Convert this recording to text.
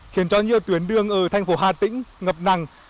khiến cho nhiều tuyến đường ở thành phố hà tĩnh ngập nằng